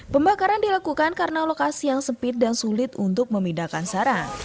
pembakaran dilakukan karena lokasi yang sempit dan sulit untuk memindahkan sarang